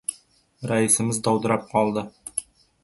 Raisimiz dovdirab qoldi.